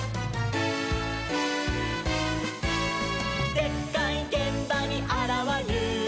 「でっかいげんばにあらわる！」